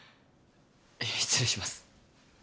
失礼します。